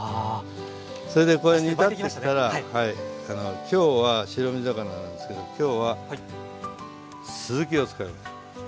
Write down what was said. それでこれ煮立ってきたら今日は白身魚なんですけど今日はすずきを使います。